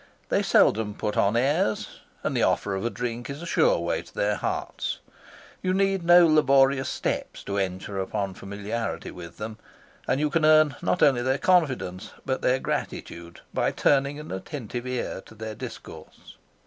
They seldom put on airs, and the offer of a drink is a sure way to their hearts. You need no laborious steps to enter upon familiarity with them, and you can earn not only their confidence, but their gratitude, by turning an attentive ear to their discourse.